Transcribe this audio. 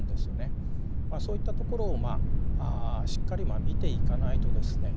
そういったところをまあしっかり見ていかないとですね